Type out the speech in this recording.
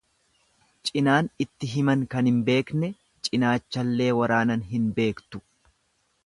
Cinaan itti himan kan hin beekne, cinaachallee waraanan hin beektu.